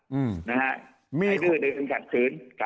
ให้ดื่มถึงขัดพื้น